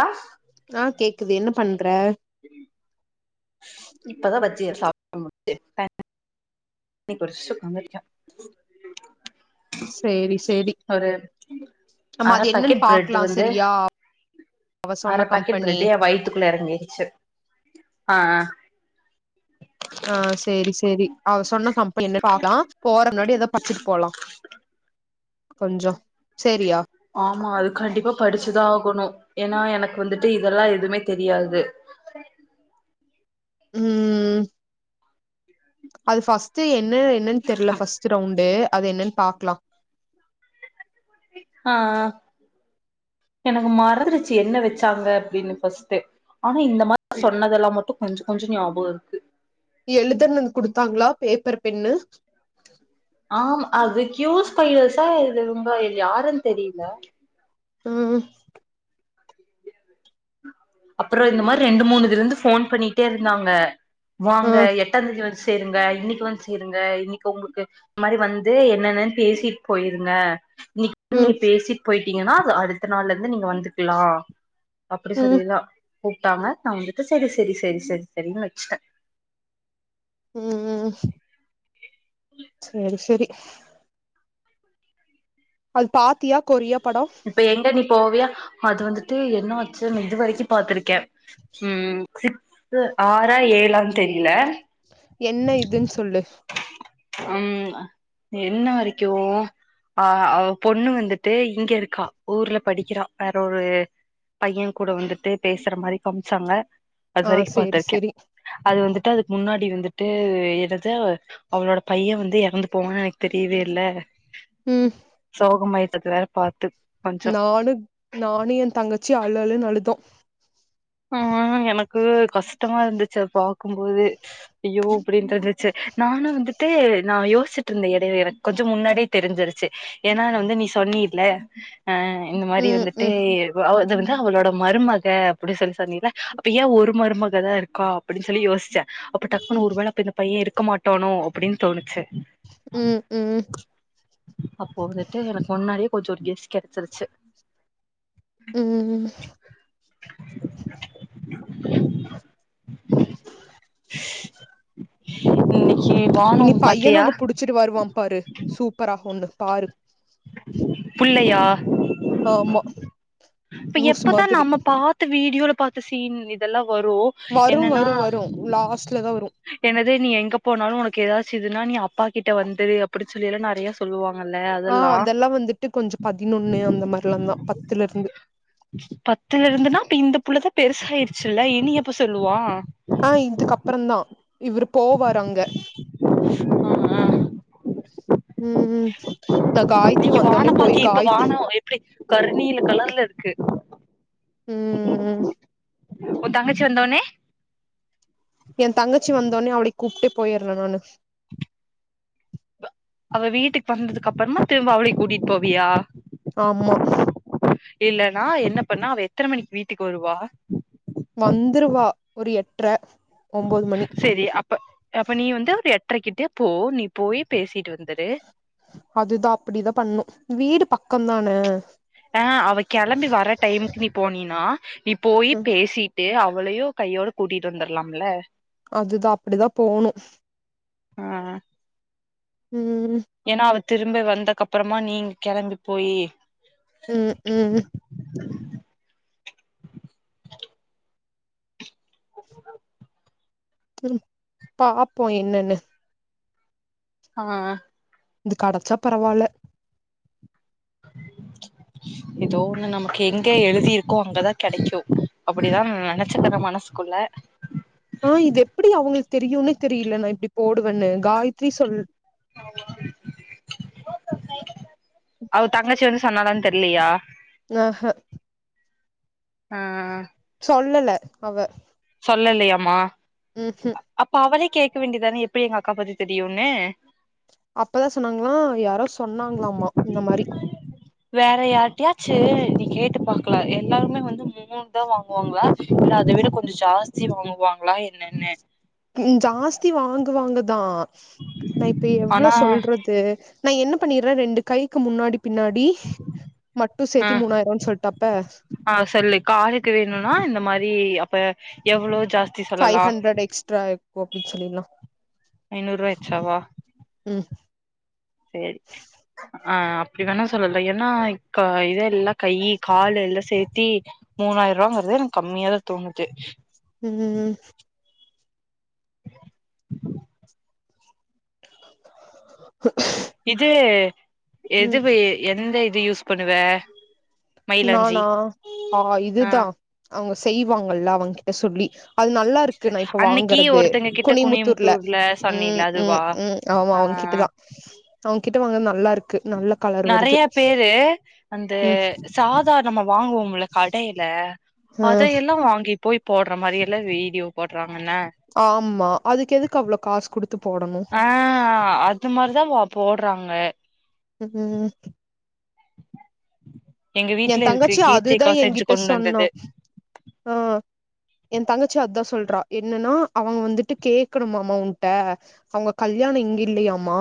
ஆ ஆ கேக்குது என்ன பண்ற இப்பதா பஜ்ஜிய சாப்டு முட்ச்சுருக்க தண்ணி குடுச்ட்டு உக்காந்திருக்க சேரி சேரி ஒரு நம்ம அர அது என்னன்னு பாக்கெட் பிரெட்டு பாக்கலா வந்து சரியா அவ அர சொன்ன பாக்கெட் கம்பெனி பிரெட்டு எ வயித்துக்குள்ள எறங்கீருச்சு ஆ ஆ ஆ சேரி சேரி அவ சொன்ன ஹம்பல் என்னடாலா போற ன்னோடி எதோ பச்சுட்டு போலா கொஞ்சோ சேரியா ஆமா அது கண்டிப்பா படிச்சுதா ஆகணு ஏனா எனக்கு வந்துட்டு இதெல்லா எதுமே தெரியாது ம் அது பஸ் என்ன என்னனு தெரியலபஸ்ட் ரவுண்டு அது என்னன் பாக்லா ஆ எனக்கு மறந்துருச்சு என்ன வச்சாங்க அப்டின்னு பஸ்ட்டு ஆனா இந்த மாதிரி சொன்னதெல்லா மட்டு கொஞ்சோ கொஞ்சோ ஞாபகோ இருக்கு எழுதனுன்னு குடுத்தாங்களா பேப்பர் பென்னு ஆம் அது கியூஸ் பைலஸா இது ரொம்ப யாருன் தெரியல ம் அப்புறோ இந்த மாதிரி ரெண்டு மூணுதுல இருந்து போன் பண்ணிட்டே இருந்தாங்க வாங்க ம் எட்டாந்தேதி வச் சேருங்க இன்னைக்கு வந்து சேருங்க இன்னைக்கு உங்ளுக்கு இன்ன மாரி வந்து என்னன்ன்னு பேசிட்டு போயிருங்க இன்னைக் ம் நீங்க பேசிட்டு போயிட்டீங்கன்னா அது அடுத்த நாள்ல இருந்து நீங்க வந்துக்கலா அப்டி ம் சொல்லிருதா கூப்ட்டாங்க நா வந்துட்டு செரி செரி செரி செரி செரின்னு வச்சுட்டே ம் ம் [inaudible] சேரி சரி அது பாத்தியா கொரியா படோ இப்ப எங்க நீ போவியா அது வந்துட்டு என்ன ஆச்சு இதுவரைக்கு பாத்துருக்கே ம் சிக் ஆறா ஏழான் தெரியில என்ன இதுன்னு சொல்லு ம் என்ன வரைக்கு அ பொண்ணு வந்துட்டு இங்க இருக்கா ஊர்ல படிக்கிறா வேற ஒரு பைய கூட வந்துட்டு பேசுற மாரி காமிச்சாங்க அது ஆ வரைக்கு சேரி பாத்திருக்கே சேரி அது வந்துட்டு அதுக்கு முன்னாடி வந்துட்டு என்னது அவளோட பைய வந்து இறந்து போவா எனக்கு தெரியவே இல்ல ம் சோகமாய்ட்டுக்கிறாரு பாத்து கொஞ்சோ நானு நானு என் தங்கச்சியு அழு அழுனு அழுதோ ஆ எனக்கு கஷ்டமா இருந்துச்சி அது பாக்கும் போதே ஐயோ அப்டின்னு தெரிஞ்சிச்சு நானு வந்துட்டு நா யோஸ்சிட்டு இருந்த எடைல எனக் கொஞ்சம் முன்னாடியே தெரிஞ்சிருச்சி ஏனா நா வந்து நீ சொன்னில்ல அ இந்த மாரி ம் வந்துட்டு ம் அது வந்து அவளோட மருமக அப்டி சொல்லி சொன்னில அப்ப ஏ ஒரு மருமகதா இருக்கா அப்டின் சொல்லி யோஸ்ச்சே அப்ப டக்குன்னு ஒரு வேல அப்ப இந்தப் பைய இருக்க மாட்டானோ அப்டின் தோணுச்சு ம் ம் அப்போ வந்துட்டு எனக்கு முன்னாடியே கொஞ்ச ஒரு கெஸ் கெடச்சிருச்சு ம் ம் இன்னைக்கி வானோம் பாத்தியா பச்சிட்டு வருவா பாரு சூப்பரா ஒன்னு பாரு புள்ளையா ஆமா இப்ப லூஸ் எப்பதா மாதிரி நம்ம பாத் த வீடியோல பாத்த சீன் இதெல்லா வரு வரு என்னன்னா வரு வரு லாஸ்ட்ல தா வரு என்னது நீ எங்க போனாலு உனக்கு ஏதாச்சுஇதுன்னா நீ அப்பா கிட்ட வந்துடு அப்புடிச் சொல்லி எல்லா நெறையி சொல்லுவாங்கல்ல ஆ அதெல்லா வந்துட்டு கொஞ்சம் பதினொன்னு அந்த மாரிலந் தா பத்துலருந்து பத்துல இருந்துனா அப்ப இந்த புள்ளதா பெருச ஆயிடுச்சுல்ல இனி எப்ப சொல்லுவா ஆ இதுக்கப்பறந்தா இவுர் போவார் அங்க ஆ ஆ ம் நா காயத்திரி வந்தோனே போய் காயத் அப்புடி கருணீல கலர்ல இருக்கு ம் ம் உ தங்கச்சி வந்த ஒன்னே என் தங்கச்சி வந்தோன்னே‌ அவளிய் கூப்ட்டே போயிற்றே நானு அவ வீட்டுக்கு வந்ததுக்கு அப்புறமா திரும்ப அவளிய் கூட்டிட்டு போவியா ஆம்மா இல்லன்னா என்ன பண்ணு அவ எத்தன மணிக்கு வீட்டுக்கு வருவா வந்துருவா ஒரு எட்ற சேரி அப்ப அப்ப நீ வந்து ஒரு எட்ரை கிட்டே போ நீ போய் பேசிட்டு வந்துடு அதுதா அப்படிதா பண்ணு வீடு பக்கம்தானே ஆ அவ கெளம்பி வர டைமுக்கு நீ போனீனா நீ போயி ம் பேசி ட்டு அவளயோ கைய்யோட கூட்டிட்டு வந்துரலாம்ல அதுதா அப்படிதா போணு ஆ ம் ம் ஏனா அவ திரும்ப வந்தக்கப்பறமா நீங் கெளம்பி போயி ம் ம் ம் பாப்போ என்னன்னு ஆ இது கடச்சா பரவால்ல எதோ ஒண்ணு நமக்கு எங்க எழுதிருக்கோ அங்கதா கெடைக்கும் அப்டிதா ந நனைச்சக்கிற மனசு குள்ள ஆ இது எப்டி அவங்களுக்கு தெரியும்னு தெரியல நா இப்டி போடுவேன்னு காயத்ரி சொல் அவ தங்கச்சி வந்து சொன்னாலானு தெர்லியா ஆ ஆ சொல்லல அவ சொல்லலையமா உஹூம் அப்ப அவளே கேட்க வேண்டிதான எப்டி எங்க அக்கா பத்தி தெரியும்னு அப்பதா சொன்னாங்ளா யாரோ சொன்னாங்ளாமா இந்த மாரி வேற யார்ட்டியாச்சு நீ கேட்டு பாக்கலா எல்லாருமே வந்து மூணு தா வாங்குவாங்ளா இல்ல அத விட ஞ்ச ஜாஸ்தி வாங்குவாங்களா என்னன்னு ஜாஸ்தி வாங்குவாங்கதா நா இப்ப எவ்ளோ ஆனா சொல்றத் நா என்ன பண்ணிட்ற ரெண்டு கைக்கு முன்னாடி பின்னாடி மட்டு ஆ சேத்தி மூணாயிரம்னு சொல்ட்டாப்ப ஆ சொல்லு காலுக்கு வேணும்னா இந்த மாரி அப்ப எவ்ளோ ஜாஸ் ஃபைவ் ஹண்ட்ரட் எக்ஸ்ட்ரா இருக்கு அப்டின்னு சொல்லிலா ஐநூறு ரூவா எச்சாவா ம் சேர் சேர் ஆ அப்டி வேணுன்னா சொல்ல ஏன்னா இத எல்லா கை கால் எல்லா சேத்தி மூணாய் ரூபாங்கறது எனக்கு கம்மியாதா தோணுது ம் ம் இது ம் எதுவு எந்த இது யூஸ் பண்ணுவ மயிலாஞ்சி நானா ஆ இதுதா அவங்க செய்வாங்கல்ல அவங்கிட்ட சொல்லி அது நல்லா இருக்கு நா இப்ப அன்னைக்கு வாங்கறது ஒருத்தங்க கிட்ட கொனிமுத்தூர்ல குனியமுத்தூர்ல ம் சொன்னில ம் அதுவா உம் ஆமா ஆ அவங்கிட்ட தா அவங்கிட்ட வாங்னது நல்லா இருக்கு நல்லா நெறய பேரு அந்த ம் சாதா நம்ம வாங்குவோம்ல கடையில ஆ அதயெல்லா வாங்கி போய் போடுற மாரி எல்லா வீடியோ போடுறாங்கன்ன ஆமா அதுக்கு எதுக்கு அவ்ளோ காசு குடுத்து போடணு ஆ அது இந்த மாரி தா போடுறாங்க ம்ம் எங்க எ வீட்ல இருக்கு தங்கச்சி அதுதா கீர்த்திக்கா எய செஞ்சு கிட்ட கொண்டு சொன்னா வந்தது ஆ எ தங்கச்சி அதா சொல்றா என்னன்னா அவங்க வந்துட்டு கேட்கணுமாமா உன்ட அவங்க கல்யாணோ இங்க இல்லயாமா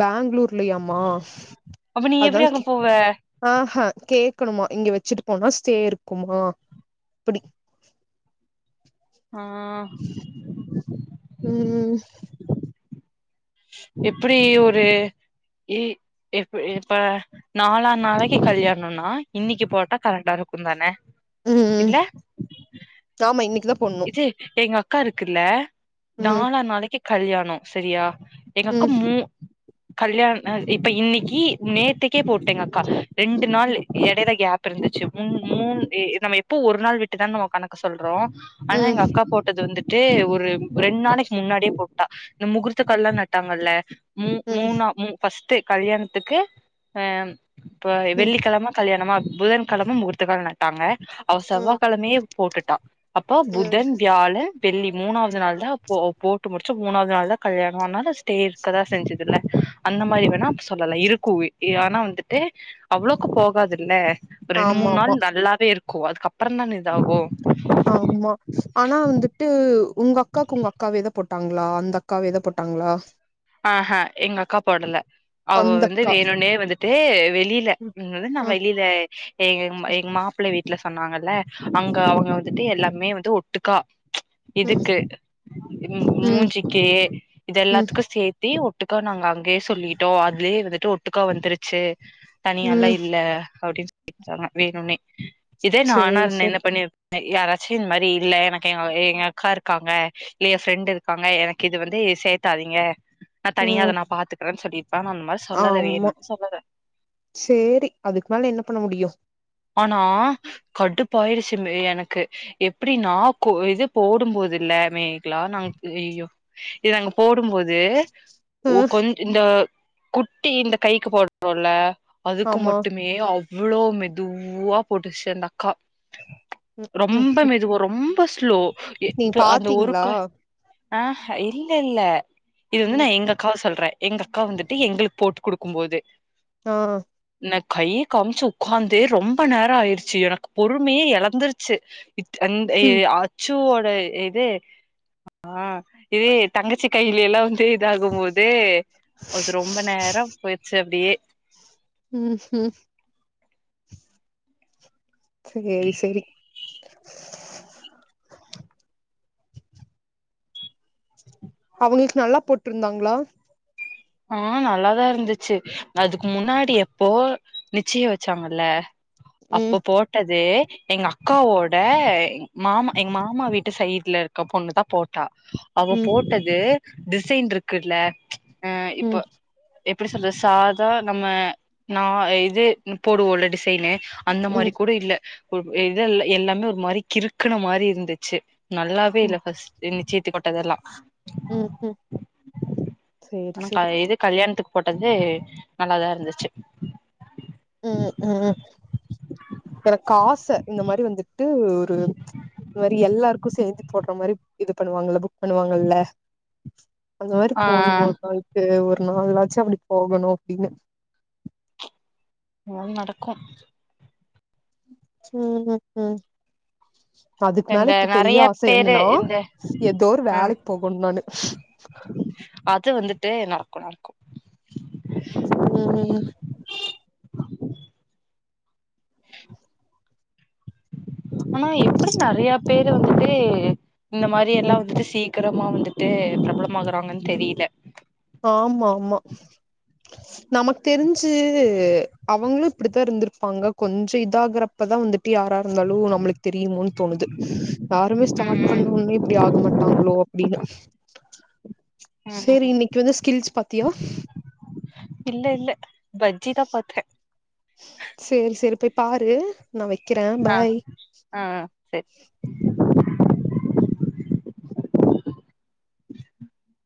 பேங்ளூர்லயாமா அப்ப நீ அதா எப்டி அங்க போவ ஆ கேக்கணுமா இங்க வச்சிட்டு போனா ஸ்டே இருக்குமா அப்டி ஆ ம் எப்டி ஒரு இ எப்ப எப்ப நாலாநாளைக்கி கல்யாணோனா இன்னைக்கி போட்டா கரக்டா இருக்குதானே ம் இல்ல ஆமா இன்னைக்கிதா இது எங்க அக்கா இருக்குல்ல ம் நாலாநாளைக்கி கல்யாணோ செரியா எங்க அக்கா ம் மூ கல்யாண அ இப்ப இன்னைக்கி நேத்திக்கே போட்டு எங்க அக்கா ரெண்டு நாள் எடைல கேப் இருந்துச்சு மூ மூண் எ நம்ம எப்போ ஒரு நாள் விட்டுதானா நம்ம கணக்கு சொல்றோ ஆனா ம் எங்க அக்கா போட்டது வந்துட்டு ஒரு ரெண்டு நாளைக்கி முன்னாடியே போட்டா இந்த முகூர்த் த்த கால்லா நட்டாங்கல்ல மூ ம் மூ ம் மூணா ஃபர்ஸ்ட் கல்யாணத்துக்கு அ இப்ப ம் வெள்ளிக்கெழம கல்யாணமா புதன்கெழம முகூர்த்தக்கால் நட்டாங்க அவ செவ்வாகெழமையே போட்டுட்டா அப்போ ம் புதன் வியாழன் வெள்ளி மூணாவது நாள்தா போ போட்டு முடிச்சு மூணாவது நாள்தா கல்யாணோ அதனால ஸ்டே இருக்கதா செஞ்சுதுல்ல அந்த மாரி வேணா சொல்லலா இருக்கு எ ஆனா வந்துட்டு அவ்ளோக்கு போகாதுல்ல இப்ப ரெண்டு ஆமா மூணு நாள் ஆமா நல்லாவே இருக்கு அதுக்கப்பறந்தான இதாகு ஆமா, ஆனா வந்துட்டு உங்க அக்காக்கு உங்க அக்காவேதா போட்டாங்களா அந்த அக்காவேதா போட்டாங்களா ஆஹ எங்க அக்கா போடல அவ வந்து அந்தக்கா வேணுனே வந்துட்டு வெளியில ம் இது வந்து நா அ வெளியில எ எங்க மாப்ள வீட்ல சொன்னாங்கல்ல அங்க அவங்க வந்துட்டு எல்லாமே வந்து ஒட்டுக்கா ம் இதுக்கு இது ம் மூஞ்சிக்கி இது எல்லாத்து ம் சேத்தி ஒட்டுக்கா நாங்க அங்கேயே சொல்லிட்டோ அதுலேயே வந்துட்டு ஒட்டுக்கா வந்துருச்சு தனியாலா ம் இல்ல அப்டின்னு சொல்லிடாங்க வேணுனே இதே நானா சேரி இருந்தா என்ன சேரி பண்ணி நா யாராச்சு இந்த மாரி இல்ல எனக்கு எ எங்க அக்கா இருக்காங்க இல்ல எ ஃப்ரெண்ட் இருக்காங்க எனக்கு இது வந்து எ சேத்தாதீ ங்க நா தனியா அத ம் நா பாத்துக்றேன்னு சொல்லிருப்பே ஆனா அந்த மாரி சொல்லல ஆமா, வேணுன்னு சொல்லல சேரி அதுக்கு மேல என்ன பண்ண முடியு ஆனா கடுப்பாயிருச்சு மே எனக்கு எப்டி நா கோ இது போடும்போது இல்ல மேக்லா நா ஐயயோ இது அங்க போடும்போது அ ஓ கொஞ் இந்த குட்டி இந்த கைக்கு போட்றோல்ல அதுக்கு ஆமா மட்டுமே அவ்ளோ மெதுவா போட்டுச்சு அந்த அக்கா ம் ம் ரொம்ப மெதுவா ரொம்ப ஸ்லோ எ நீங்க இப்ப அந்த ஒரு பாத்தீங்களா கை அஹ இல்ல இல்ல இது வந்து ம் நா எங்க அக்காவ சொல்றே எங்க அக்கா வந்துட்டு எங்களுக்கு போட்டு குடுக்குபோது ஓ நா கைய காம்ச்சி உக்காந் து ரொம்ப நேரோ ஆயிருச்சு எனக்கு பொறுமையே அழந்துருச்சு அந்த எ ம் அ ச்சோட இது ஆ இதே தங்கச்சி கையில எல்லா வந்து இதாகும்போது அது ரொம்ப நேரம் போயிருச்சு அப்டியே ம் ம் சேரி, சேரி அவங்களுக்கு நல்லா போட்ருந்தாங்களா ஆ நல்லாதா இருந்துச்சு அதுக்கு முன்னாடி எப்போ நிச்சிய வச்சாங்கல்ல ம் அப்ப போட் டது எங்க அக்காவோட மாமா எங்க மாமா வீட்டு சைட்ல இருக்க பொண்ணுதா போட் டா அவ ம் போட்டது டிசைன் இருக்குல்ல ம் இப்ப எப்டி சொல்றது சாதா நம்ம நா இது போடுவோல டி சைனு அந்த மாரி ம் கூட இல்ல கு இத எல்லாமே ஒரு மாரி கிறுக்குன மாரி இருந்துச்சு நல்லாவே இல்ல ம் பஃஸ்ட் இன்னி சீத்தி கொட்டதெல்லா ம் ம் சேரி ஆனா சேரி இது கல்யாணத்துக்கு போட்டது நல்லாதா இருந்துச்சு ம் ம் எனக்காச இந்த மாரி வந்துட்டு ம் [unintelligible] எல்லாருக்கு சேத்து போட்ற மாரி இது பண்ணுவாங்கல்ல புக் பண்ணுவாங்கல்ல அந்த மாரி ஆ போணு [unintelligible] ஒரு நாளாச்சு அப்டி போகணு அப்டின்னு ம் நடக்கு ம் ம் ம் அதுக்கு இந்த மேல இப்ப நெறைய பெரிய ஆசை பேரு என்னனா இந்த எதோ ஒரு ஆ வேலைக்கு போகணு நானு அது வந்துட்டு நடக்கு நடக்கு ம் ம் ம் ஆனா எப்டி நெறையா பேரு வந்துட்டு இந்த மாரி ம் எல்லா வந்துட்டு சீக்கிரமா வந்துட்டு பிரபலமாகுறாங்கன்னு தெரியில ஆமாம்மா நமக்கு தெரிஞ்சு அவுங்களு இப்டித்தா இருந்திருப்பாங்க கொஞ்ச இதாகுறப் பதா வந்துட்டு யாரா இருந்தாலு நம்மளுக்கு தெரியுமோன்னு தோணுது யாருமே ம் ஸ்டார்ட் பண்ண ம் ஒன்னே இப்டி ஆக மாட்டாங்களோ அப்டின்னு [inaudible] ம் சேரி ம் இன்னைக்கு வந்து ஸ்கில்ஸ் பாத்தியா இல்ல இல்ல பட்ஜி தா பாத்தே செரி செரி போய் பாரு நா வைக்கிறே ஆ பாய் ஆ சரி [inaudible]